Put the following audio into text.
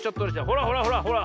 ほらほらほらほら。